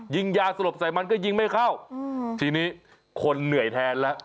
ยิงยาสลบใส่มันก็ยิงไม่เข้าทีนี้คนเหนื่อยแทนแล้ว